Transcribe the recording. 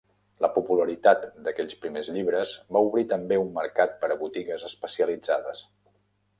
La popularitat d'aquells primers llibres va obrir també un mercat per a botigues especialitzades.